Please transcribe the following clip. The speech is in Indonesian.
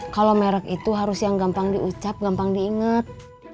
kalau merek itu harus yang gampang diucap gampang diingat